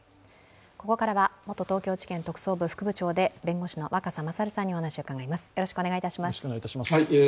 ここからは元東京地検特捜部副部長で弁護士の若狭勝さんにお話を伺います。